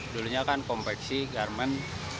dulunya kan kompleksi garmen